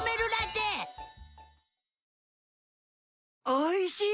おいしい！